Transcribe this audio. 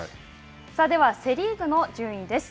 ではセ・リーグの順位です。